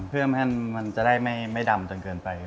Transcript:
เพื่อให้มันจะได้ไม่ดำจนเกินไป